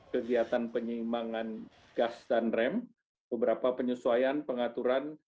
kegiatan penyimbangan gas dan rem beberapa penyesuaian pengaturan